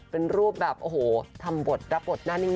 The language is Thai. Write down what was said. เป็นรูปแบบโอ้โหทำบทรับบทหน้านิ่ง